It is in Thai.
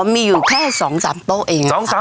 อ๋อมีอยู่แค่๒๓โต๊ะเองอะค่ะ